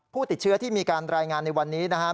ผู้ติดเชื้อที่มีการรายงานในวันนี้นะครับ